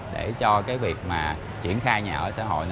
để cho việc triển khai nhà ở xã hội